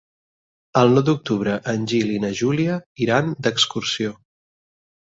El nou d'octubre en Gil i na Júlia iran d'excursió.